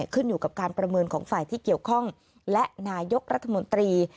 ขึ้นอยู่กับการประเมินของฝ่ายที่เกี่ยวข้องและนายกรัฐมนตรี